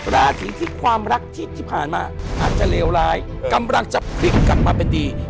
ราศีที่ความรักที่ผ่านมาอาจจะเลวร้ายกำลังจะพลิกกลับมาเป็นดี